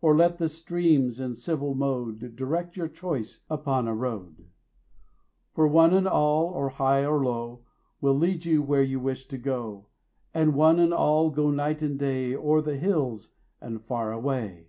Or let the streams in civil mode Direct your choice upon a road; For one and all, or high or low, 25 Will lead you where you wish to go; And one and all go night and day Over the hills and far away!